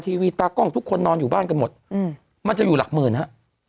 ทีวีตากล้องทุกคนนอนอยู่บ้านกันหมดอืมมันจะอยู่หลักหมื่นฮะ